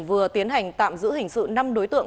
vừa tiến hành tạm giữ hình sự năm đối tượng